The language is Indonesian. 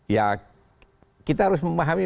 ya kita harus memahami